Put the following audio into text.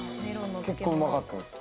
結構うまかったです。